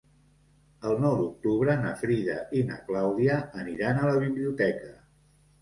El nou d'octubre na Frida i na Clàudia aniran a la biblioteca.